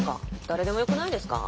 誰でもよくないですか？